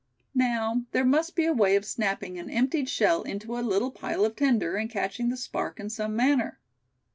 Now, there must be a way of snapping an emptied shell into a little pile of tinder, and catching the spark in some manner.